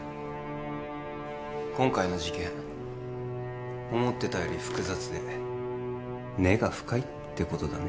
今回の事件思ってたより複雑で根が深いってことだね